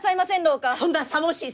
そんなさもしい